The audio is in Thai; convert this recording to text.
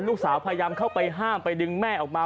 พยายามเข้าไปห้ามไปดึงแม่ออกมา